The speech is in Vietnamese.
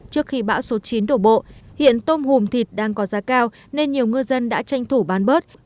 trước khi bão số chín đổ bộ hiện tôm hùm thịt đang có giá cao nên nhiều ngư dân đã tranh thủ bán bớt